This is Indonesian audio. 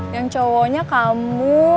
yang cowoknya kamu